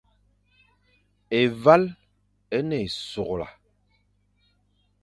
Évala é ne ésughga.